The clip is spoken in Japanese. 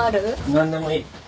何でもいい。